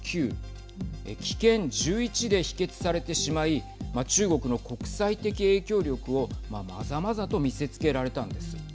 棄権１１で否決されてしまい中国の国際的影響力をまざまざと見せつけられたんです。